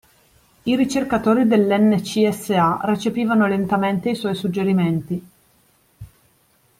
I ricercatori dell'NCSA recepivano lentamente i suoi suggerimenti.